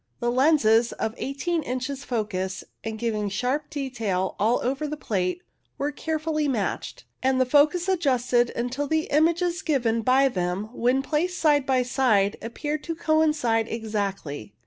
The lenses, of 1 8 inches focus, and giving sharp detail all over the plate, were carefully matched, and the focus adjusted until the images given by them when placed side by side appeared to coincide exactly.